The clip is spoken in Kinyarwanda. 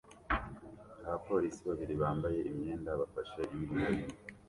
Abapolisi babiri bambaye imyenda bafashe imbunda nini